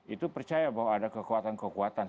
itu percaya bahwa ada kekuatan kekuatan